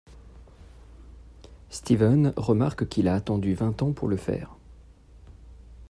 Stephen remarque qu'il a attendu vingt ans pour le faire.